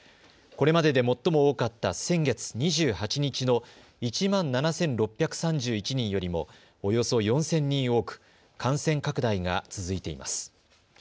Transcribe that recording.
これまでで最も多かった先月２８日の１万７６３１人よりもおよそ４０００人多く感染拡大が続いています。